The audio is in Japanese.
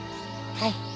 はい。